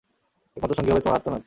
একমাত্র সঙ্গী হবে তোমার আর্তনাদ।